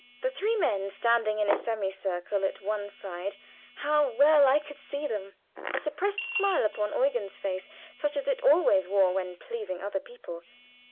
The three men standing in a semi circle at one side; how well I could see them! A suppressed smile upon Eugen's face, such as it always wore when pleasing other people.